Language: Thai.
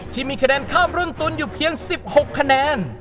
ที่มีคะแนนข้ามรุ่นตุ๋นอยู่เพียง๑๖คะแนน